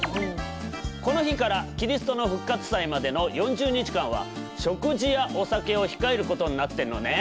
この日からキリストの復活祭までの４０日間は食事やお酒を控えることになってんのね。